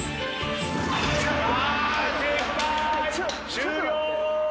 終了！